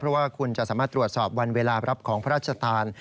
เพราะว่าคุณจะสามารถตรวจสอบวันเวลารับของพระราชทาน